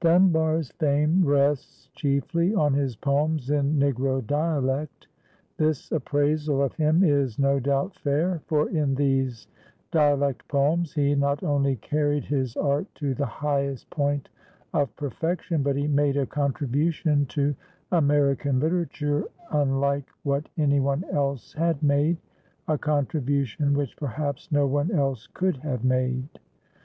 Dunbar's fame rests chiefly on his poems in Negro dialect. This appraisal of him is, no doubt, fair; for in these dialect poems he not only carried his art to the highest point of perfection, but he made a contribution to American literature unlike what any one else had made, a contribution which, perhaps, no one else could have made.